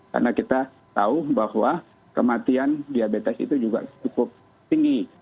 karena kita tahu bahwa kematian diabetes itu juga cukup tinggi